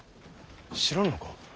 知らぬのか？